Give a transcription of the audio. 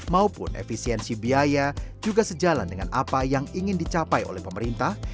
maupun efisiensi biaya juga sejalan dengan apa yang ingin dicapai oleh pemerintah